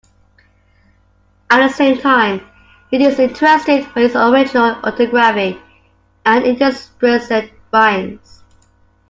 At the same time, it is interesting for its original orthography and interspersed rhymes.